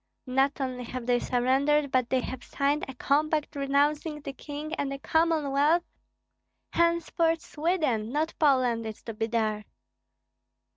"Not only have they surrendered, but they have signed a compact renouncing the King and the Commonwealth. Henceforth Sweden, not Poland, is to be there."